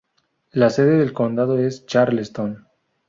La sede del condado es Charleston.